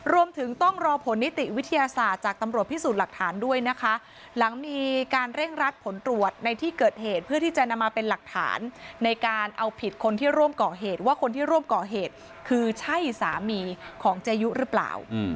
รวมถึงต้องรอผลนิติวิทยาศาสตร์จากตำรวจพิสูจน์หลักฐานด้วยนะคะหลังมีการเร่งรัดผลตรวจในที่เกิดเหตุเพื่อที่จะนำมาเป็นหลักฐานในการเอาผิดคนที่ร่วมก่อเหตุว่าคนที่ร่วมก่อเหตุคือใช่สามีของเจยุหรือเปล่า